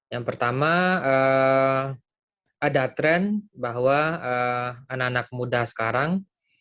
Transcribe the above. yang pertama ada tren bahwa anak anak muda sekarang